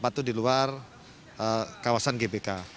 empat itu di luar kawasan gbk